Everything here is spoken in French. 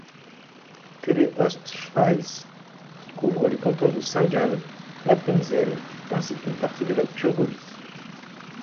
TeleOstschweiz couvre les cantons de Saint-Gall, l'Appenzell ainsi qu'une partie de la Thurgovie.